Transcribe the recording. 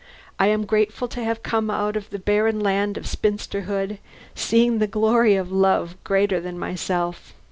I am grateful to have come out of the barren land of spinsterhood, seeing the glory of a love greater than myself.